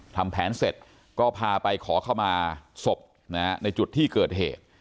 ทำแผนเสร็จก็พาไปขอเข้ามาศพในจุดที่เกิดเหตุ